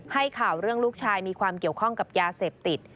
ให้ข่าวเรื่องลูกชายมีความเกี่ยวข้องกับยาเสพติด